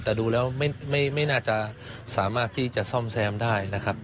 แต่ดูแล้วไม่น่าจะสามารถที่จะซ่อมแซมได้นะครับ